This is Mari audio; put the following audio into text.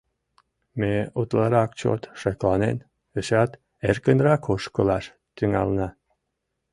Ме, утларак чот шекланен, эшеат эркынрак ошкылаш тӱҥална.